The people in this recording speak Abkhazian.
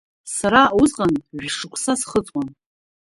Сара усҟан жәшықәса схыҵуан.